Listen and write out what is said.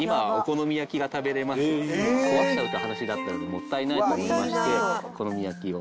壊しちゃうって話になったときもったいないと思いましてお好み焼きを。